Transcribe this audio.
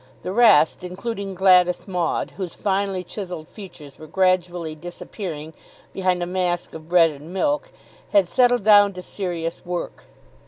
The rest, including Gladys Maud, whose finely chiselled features were gradually disappearing behind a mask of bread and milk, had settled down to serious work.